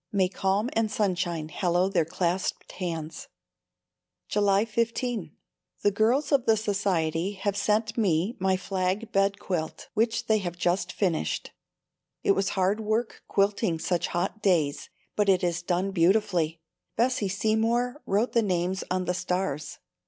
"May calm and sunshine hallow their clasped hands." July 15. The girls of the Society have sent me my flag bed quilt, which they have just finished. It was hard work quilting such hot days but it is done beautifully. Bessie Seymour wrote the names on the stars.